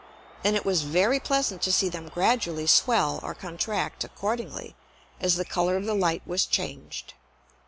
And it was very pleasant to see them gradually swell or contract accordingly as the Colour of the Light was changed.